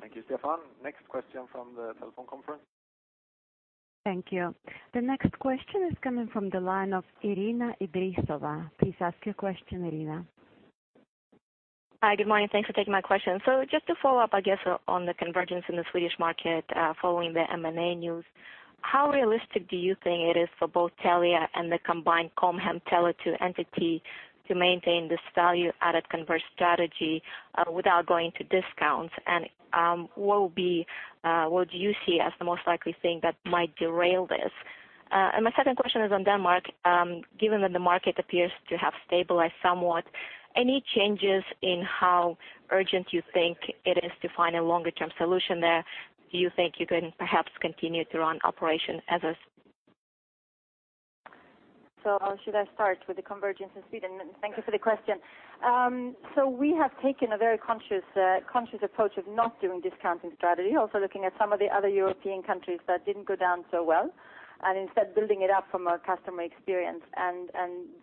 C: Thank you, Stefan. Next question from the telephone conference.
A: Thank you. The next question is coming from the line of Irina Ibristova. Please ask your question, Irina.
J: Hi. Good morning. Thanks for taking my question. Just to follow up, I guess, on the convergence in the Swedish market following the M&A news. How realistic do you think it is for both Telia and the combined Com Hem Tele2 entity to maintain this value-added convergence strategy without going to discounts? What do you see as the most likely thing that might derail this? My second question is on Denmark. Given that the market appears to have stabilized somewhat, any changes in how urgent you think it is to find a longer-term solution there? Do you think you can perhaps continue to run operations as is?
E: Should I start with the convergence in Sweden? Thank you for the question. We have taken a very conscious approach of not doing discounting strategy. Also looking at some of the other European countries that didn't go down so well, instead building it up from a customer experience and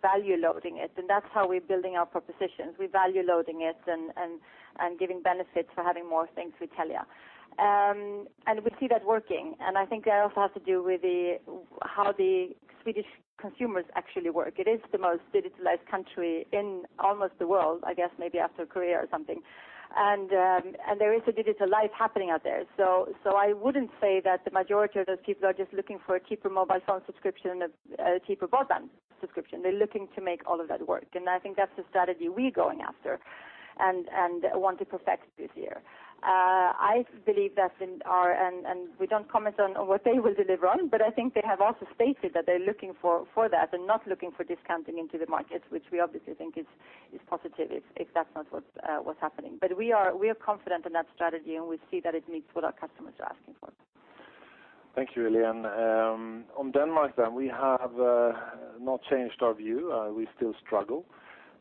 E: value loading it. That's how we're building our propositions. We're value loading it and giving benefits for having more things with Telia. We see that working. I think that also has to do with how the Swedish consumers actually work. It is the most digitalized country in almost the world, I guess maybe after Korea or something. There is a digital life happening out there. I wouldn't say that the majority of those people are just looking for a cheaper mobile phone subscription, a cheaper broadband subscription. They're looking to make all of that work, I think that's the strategy we're going after and want to perfect this year. I believe that in our, we don't comment on what they will deliver on, I think they have also stated that they're looking for that and not looking for discounting into the market, which we obviously think is positive if that's not what's happening. We are confident in that strategy, we see that it meets what our customers are asking for.
C: Thank you, Irina. On Denmark, we have not changed our view. We still struggle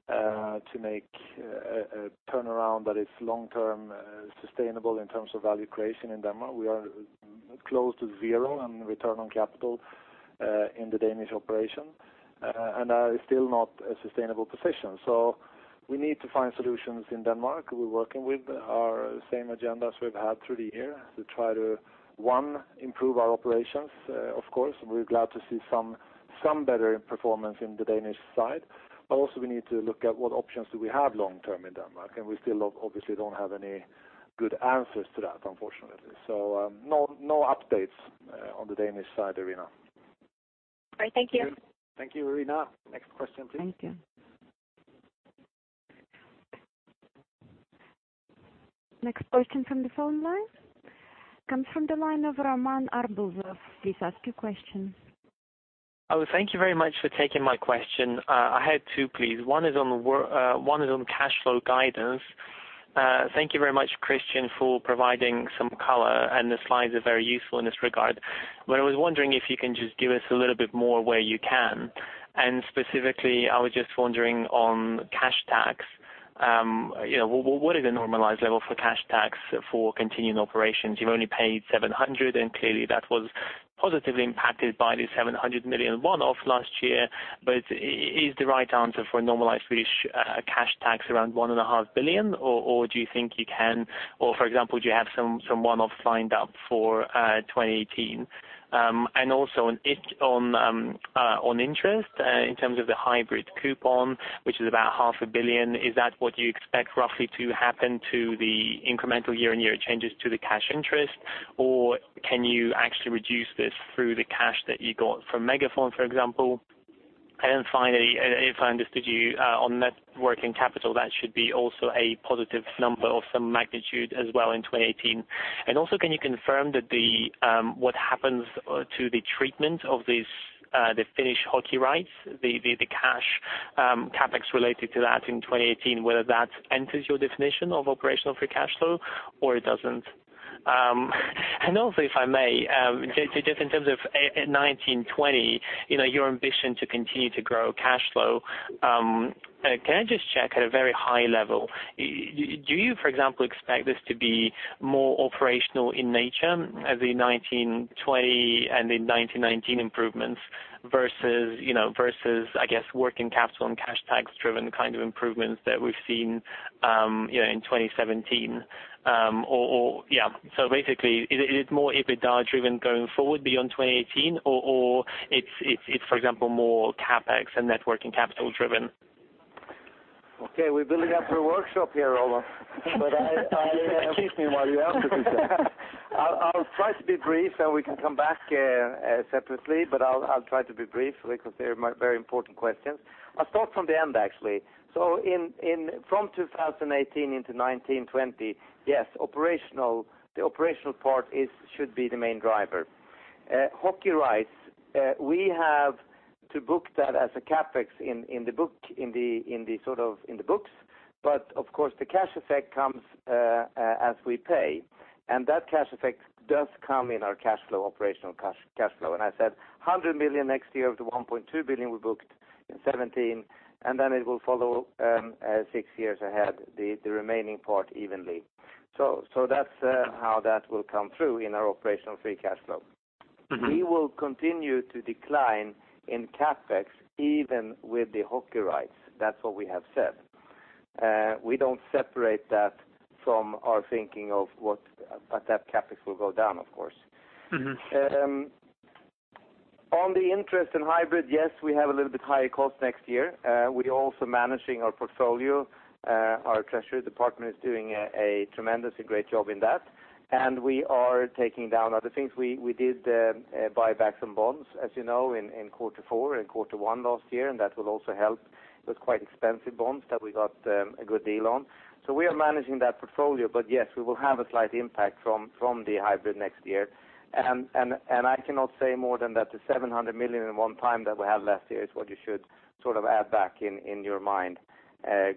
C: to make a turnaround that is long-term sustainable in terms of value creation in Denmark. We are close to 0 on return on capital in the Danish operation, that is still not a sustainable position. We need to find solutions in Denmark. We're working with our same agenda as we've had through the year to try to, one, improve our operations, of course. We're glad to see some better performance in the Danish side. Also we need to look at what options do we have long term in Denmark, we still obviously don't have any good answers to that, unfortunately. No updates on the Danish side, Irina.
J: All right. Thank you.
C: Thank you, Irina. Next question please.
A: Thank you. Next question from the phone line comes from the line of Roman Arbuzov. Please ask your question.
K: Thank you very much for taking my question. I had two, please. One is on cash flow guidance. Thank you very much, Christian, for providing some color, and the slides are very useful in this regard. I was wondering if you can just give us a little bit more where you can. Specifically, I was just wondering on cash tax. What is a normalized level for cash tax for continuing operations? You've only paid 700, and clearly that was positively impacted by the 700 million one-off last year. Is the right answer for a normalized Swedish cash tax around one and a half billion, or do you think you can, or for example, do you have some one-off lined up for 2018? On interest, in terms of the hybrid coupon, which is about half a billion, is that what you expect roughly to happen to the incremental year-on-year changes to the cash interest, or can you actually reduce this through the cash that you got from MegaFon, for example? Finally, if I understood you, on net working capital, that should be also a positive number of some magnitude as well in 2018. Can you confirm what happens to the treatment of the Finnish hockey rights, the cash CapEx related to that in 2018, whether that enters your definition of operational free cash flow or it doesn't? If I may, just in terms of 2019, 2020, your ambition to continue to grow cash flow, can I just check at a very high level, do you, for example, expect this to be more operational in nature as the 2019, 2020, and the 2019 improvements versus, I guess, working capital and cash tax driven kind of improvements that we've seen in 2017? Basically, is it more EBITDA driven going forward beyond 2018 or it's, for example, more CapEx and net working capital driven?
D: Okay, we're building up to a workshop here, Roman. I appreciate it while you ask it. I'll try to be brief, and we can come back separately, but I'll try to be brief because they're very important questions. I'll start from the end, actually. From 2018 into 2019, 2020, yes, the operational part should be the main driver. Hockey rights, we have to book that as a CapEx in the books, but of course, the cash effect comes as we pay. That cash effect does come in our operational cash flow. I said 100 million next year of the 1.2 billion we booked in 2017, and then it will follow six years ahead, the remaining part evenly. That's how that will come through in our operational free cash flow. We will continue to decline in CapEx even with the hockey rights. That's what we have said. We don't separate that from our thinking of what, that CapEx will go down, of course. On the interest in hybrid, yes, we have a little bit higher cost next year. We are also managing our portfolio. Our treasury department is doing a tremendously great job in that, and we are taking down other things. We did buy back some bonds, as you know, in Q4 and Q1 last year, and that will also help. Those quite expensive bonds that we got a good deal on. We are managing that portfolio. Yes, we will have a slight impact from the hybrid next year. I cannot say more than that the 700 million in one time that we had last year is what you should add back in your mind,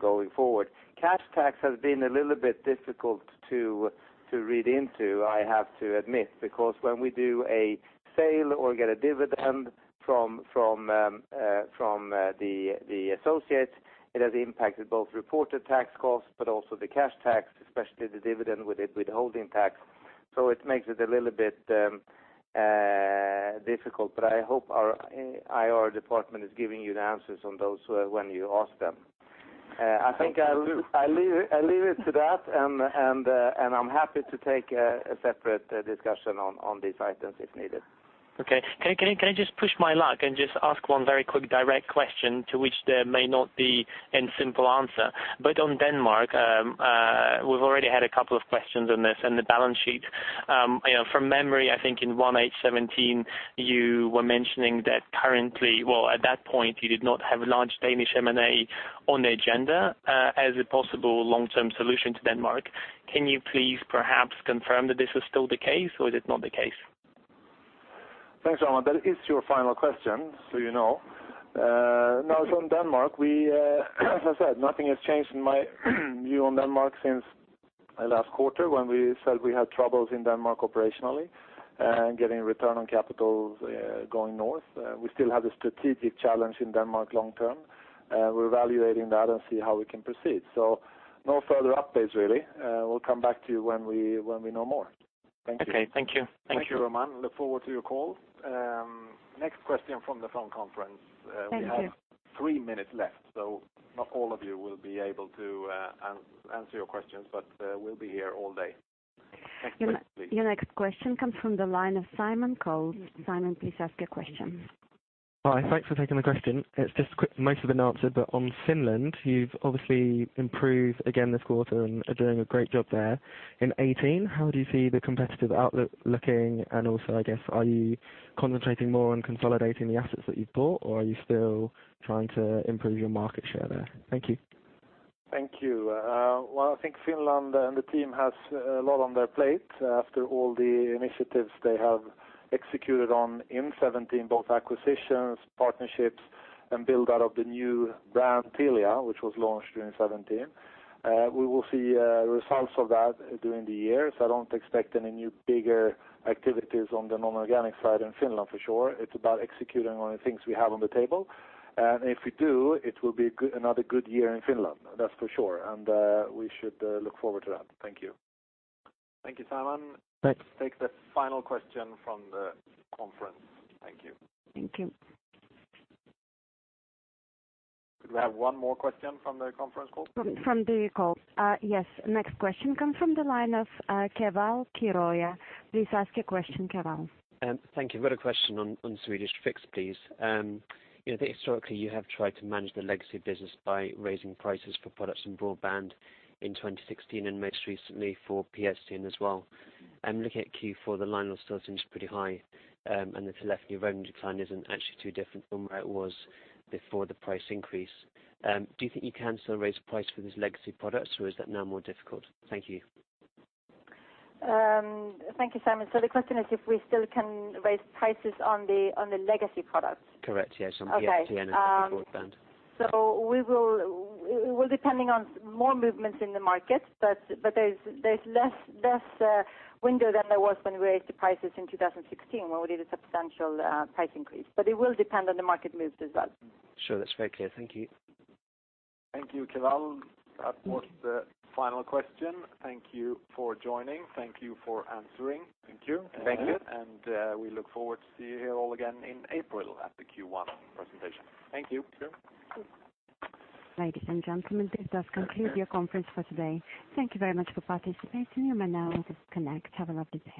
D: going forward. Cash tax has been a little bit difficult to read into, I have to admit, because when we do a sale or get a dividend from the associates, it has impacted both reported tax costs but also the cash tax, especially the dividend with the withholding tax. It makes it a little bit difficult. I hope our IR department is giving you the answers on those when you ask them. I think I'll leave it to that, and I'm happy to take a separate discussion on these items if needed.
K: Okay. Can I just push my luck and just ask one very quick direct question to which there may not be any simple answer. On Denmark, we've already had a couple of questions on this and the balance sheet. From memory, I think in 1H 2017, you were mentioning that at that point, you did not have large Danish M&A on the agenda as a possible long-term solution to Denmark. Can you please perhaps confirm that this is still the case, or is it not the case?
D: Thanks, Roman. That is your final question, so you know. On Denmark, as I said, nothing has changed in my view on Denmark since last quarter when we said we had troubles in Denmark operationally and getting return on capital going north. We still have the strategic challenge in Denmark long term. We're evaluating that and see how we can proceed. No further updates, really. We'll come back to you when we know more. Thank you.
K: Okay. Thank you.
C: Thank you, Roman. Look forward to your call. Next question from the phone conference. Thank you. We have three minutes left, so not all of you will be able to answer your questions, but we'll be here all day. Next question, please.
A: Your next question comes from the line of Simon Coles. Simon, please ask your question.
L: Hi, thanks for taking the question. It's just quick, most have been answered, but on Finland, you've obviously improved again this quarter and are doing a great job there. In 2018, how do you see the competitive outlook looking, and also, I guess, are you concentrating more on consolidating the assets that you've bought, or are you still trying to improve your market share there? Thank you.
C: Thank you. Well, I think Finland and the team has a lot on their plate after all the initiatives they have executed on in 2017, both acquisitions, partnerships, and build out of the new brand, Telia, which was launched during 2017. We will see results of that during the year, so I don't expect any new bigger activities on the non-organic side in Finland, for sure. It's about executing on the things we have on the table. If we do, it will be another good year in Finland. That's for sure. We should look forward to that. Thank you. Thank you, Simon. Thanks. Take the final question from the conference. Thank you.
A: Thank you.
C: Could we have one more question from the conference call?
A: From the call. Yes. Next question comes from the line of Keval Khiroya. Please ask your question, Keval.
M: Thank you. I've got a question on Swedish fixed, please. I think historically you have tried to manage the legacy business by raising prices for products and broadband in 2016 and most recently for PSTN as well. Looking at Q4, the line loss still seems pretty high, and the telephony revenue decline isn't actually too different from where it was before the price increase. Do you think you can still raise price for these legacy products, or is that now more difficult? Thank you.
E: Thank you, Keval. The question is if we still can raise prices on the legacy products.
M: Correct. Yes, on the PSTN and broadband.
E: We will be depending on more movements in the market, but there's less window than there was when we raised the prices in 2016 when we did a substantial price increase. It will depend on the market moves as well.
M: Sure. That's very clear. Thank you.
C: Thank you, Keval. That was the final question. Thank you for joining. Thank you for answering. Thank you.
E: Thank you. We look forward to see you here all again in April at the Q1 presentation. Thank you. Thank you.
A: Ladies and gentlemen, this does conclude your conference for today. Thank you very much for participating. You may now disconnect. Have a lovely day.